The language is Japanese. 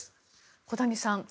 小谷さん